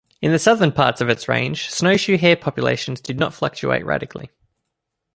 In the southern parts of its range, snowshoe hare populations do not fluctuate radically.